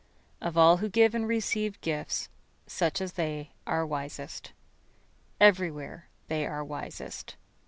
Of all who give and receive gifts, such as they are wisest. Everywhere they are the wisest.